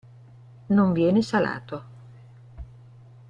Non viene salato.